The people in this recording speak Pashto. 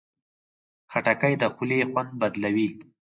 خټکی د خولې خوند بدلوي.